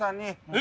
え？